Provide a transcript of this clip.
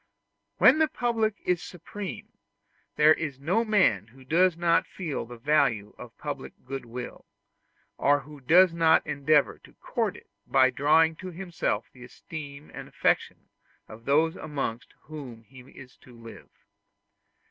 When the public is supreme, there is no man who does not feel the value of public goodwill, or who does not endeavor to court it by drawing to himself the esteem and affection of those amongst whom he is to live.